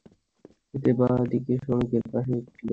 এতে বাঁ দিকে সড়কের পাশে একটি গাছের সঙ্গে বাসটির সজোরে ধাক্কা লাগে।